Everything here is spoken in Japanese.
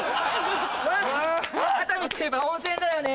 熱海といえば温泉だよね！